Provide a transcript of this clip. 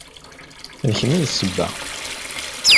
D kemm i d sebba.